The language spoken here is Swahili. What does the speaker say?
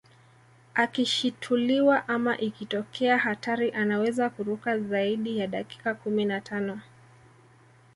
Akishituliwa ama ikitokea hatari anaweza kuruka zaidi ya dakika kumi na tano